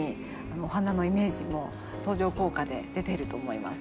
お花のイメージも相乗効果で出てると思います。